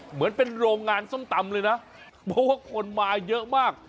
เหมือนเป็นโรงงานส้มตำเลยนะเพราะว่าคนมาเยอะมาก